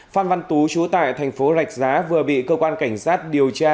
cơ quan tù trú tại tp rạch giá vừa bị cơ quan cảnh sát điều tra